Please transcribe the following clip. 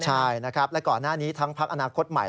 ใช่นะครับและก่อนหน้านี้ทั้งพักอนาคตใหม่